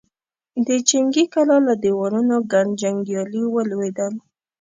د جنګي کلا له دېوالونو ګڼ جنګيالي ولوېدل.